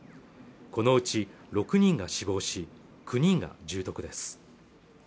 このうち６人が死亡し９人が重篤です